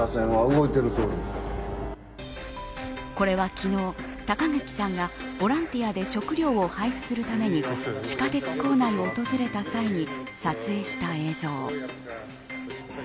これは昨日高垣さんがボランティアで食料を配布するために地下鉄構内を訪れた際に撮影した映像。